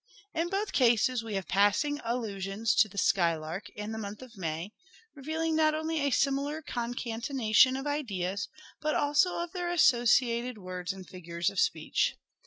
In both cases we have passing allusions to the skylark and the month of May, revealing not only a similar concatenation of ideas, but also of their associated words and figures of speech.